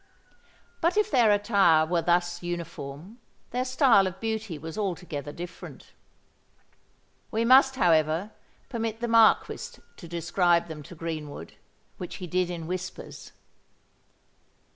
But if their attire were thus uniform, their style of beauty was altogether different. We must, however, permit the Marquis to describe them to Greenwood—which he did in whispers.